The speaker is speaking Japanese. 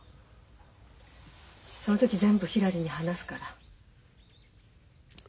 その時全部ひらりに話すから。